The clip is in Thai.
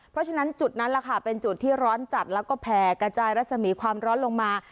เพราะฉะนั้นจุดนั้นล่ะค่ะเป็นจุดที่ร้อนจัดแล้วก็แผ่กระจายรัศมีความร้อนลงมา